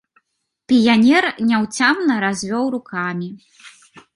Піянер няўцямна развёў рукамі.